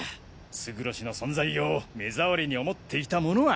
勝呂氏の存在を目障りに思っていた者は。